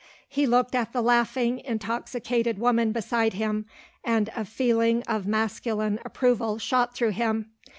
He looked at the laughing, intoxicated woman beside him and a feeling of masculine approval shot through him.